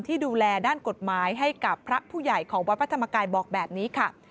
ที่ดูแลด้านกฎหมายให้กับพระผู้ใหญ่ของวัดพระธรรมกายบอกแบบนี้ค่ะ